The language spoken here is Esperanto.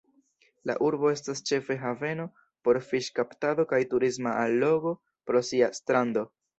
La urbo estas ĉefe haveno por fiŝkaptado kaj turisma allogo pro sia strando.